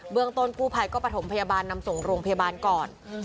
ต้นกู้ภัยก็ประถมพยาบาลนำส่งโรงพยาบาลก่อน